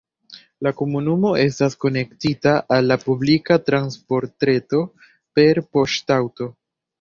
La komunumo estas konektita al la publika transportreto per poŝtaŭto.